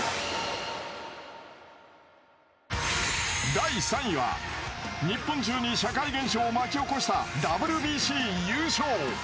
第３位は、日本中に社会現象を巻き起こしたＷＢＣ優勝。